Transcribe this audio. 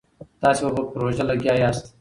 تاسي به په پروژه لګيا ياست.